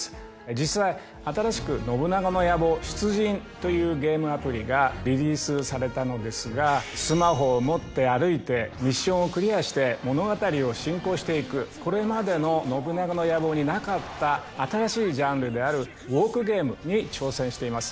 実際新しく『信長の野望出陣』というゲームアプリがリリースされたのですがスマホを持って歩いてミッションをクリアして物語を進行していくこれまでの『信長の野望』になかった新しいジャンルであるウオークゲームに挑戦しています。